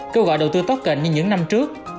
kêu gọi đầu tư token như những năm trước